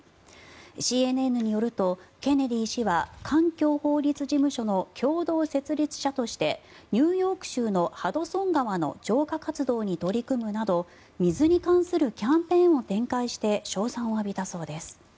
ＣＮＮによるとケネディ氏は環境法律事務所の共同設立者としてニューヨーク州のハドソン川の浄化活動に取り組むなど水に関するキャンペーンを展開して称賛を浴びたそうです。